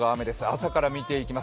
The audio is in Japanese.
朝から見てきます。